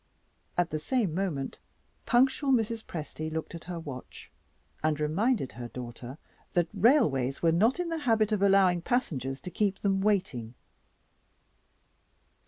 At the same moment, punctual Mrs. Presty looked at her watch, and reminded her daughter that railways were not in the habit of allowing passengers to keep them waiting.